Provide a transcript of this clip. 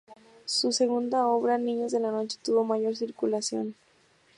Su segunda obra "Niños de la Noche", tuvo mayor circulación.